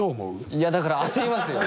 いやだから焦りますよ。